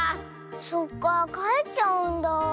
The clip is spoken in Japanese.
そっかかえっちゃうんだ。